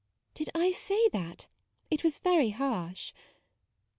u Did I say that ? It was very harsh."